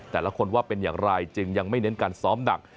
แต่ละคนว่าเป็นอย่างไรจึงยังไม่เน้นการซ้อมหนัก